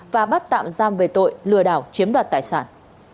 và bắt tạm giam về tội lừa đảo chiếm đoạt tài sản